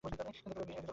কিছু লাগবে, স্যার।